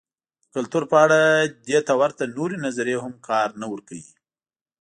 د کلتور په اړه دې ته ورته نورې نظریې هم کار نه ورکوي.